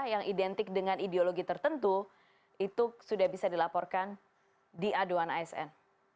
yang identik dengan ideologi tertentu itu sudah bisa dilaporkan di aduan asn